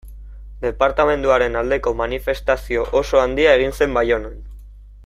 Departamenduaren aldeko manifestazio oso handia egin zen Baionan.